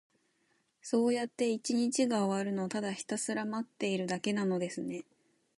そうやって一日が終わるのを、ただひたすら待っているだけなのですね。